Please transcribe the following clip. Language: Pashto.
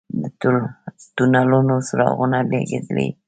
د تونلونو څراغونه لګیدلي؟